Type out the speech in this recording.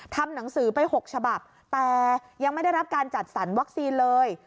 ทำหนังสือไป๖ฉบับแต่ยังไม่ได้รับการจัดสรรวัคซีนเลย